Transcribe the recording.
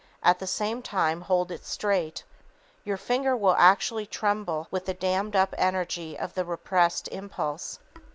At the same time hold it straight. Your finger will actually tremble with the dammed up energy of the repressed impulse.